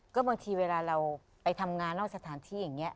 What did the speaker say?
ก็บางทีเวลาเราไปทำงานนอกสถานที่อย่างนี้